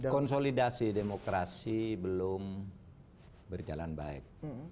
konsolidasi demokrasi belum berjalan baik